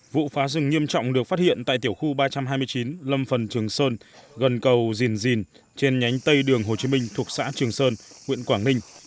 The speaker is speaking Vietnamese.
vụ phá rừng nghiêm trọng được phát hiện tại tiểu khu ba trăm hai mươi chín lâm phần trường sơn gần cầu dìn dìn trên nhánh tây đường hồ chí minh thuộc xã trường sơn huyện quảng ninh